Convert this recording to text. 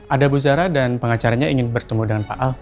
ada bu zara dan pengacaranya ingin bertemu dengan pak ahok